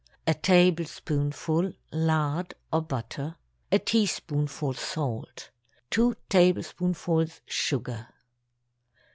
1 tablespoonful lard or butter. 1 teaspoonful salt. 2 tablespoonfuls sugar.